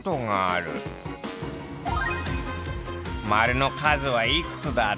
○の数はいくつだった？